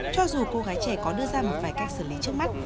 cho dù cô gái trẻ có đưa ra một vài cách xử lý trước mắt